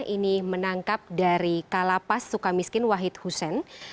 ini menangkap dari kalapas sukamiskin wahid husen